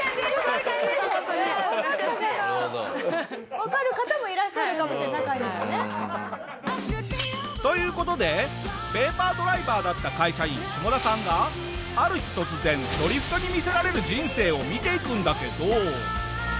わかる方もいらっしゃるかも中にはね。という事でペーパードライバーだった会社員シモダさんがある日突然ドリフトに魅せられる人生を見ていくんだけど。